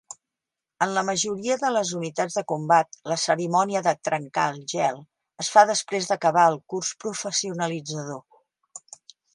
En la majoria de les unitats de combat, la cerimònia de "trencar el gel" es fa després d'acabar el curs professionalitzador.